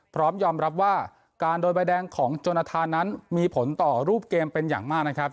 พร้อมยอมรับว่าการโดนใบแดงของจนทานนั้นมีผลต่อรูปเกมเป็นอย่างมากนะครับ